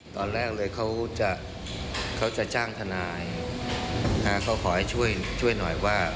ตอนแรกเลยเขาจะเขาจะจ้างทนายเขาขอให้ช่วยช่วยหน่อยว่า